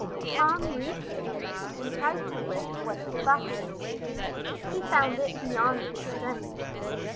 Tom reached in and tried to lift one of the boxes. He found it beyond his strength.